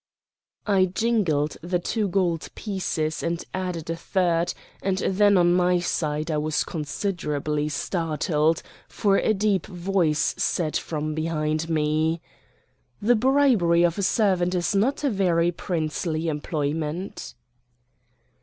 I jingled the two gold pieces and added a third, and then on my side I was considerably startled, for a deep voice said from behind me: "The bribery of a servant is not a very princely employment."